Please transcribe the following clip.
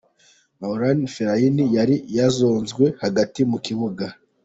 Marouane Felaini yari yazonzwe hagati mu kibuga.